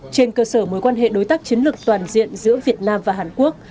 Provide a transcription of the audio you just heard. trên cơ sở mối quan hệ đối tác chiến lược toàn diện giữa việt nam và hàn quốc